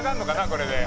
これで。